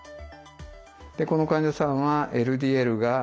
この患者さんはＬＤＬが１１６。